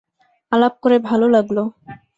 আলাপ করে ভালো লাগলো।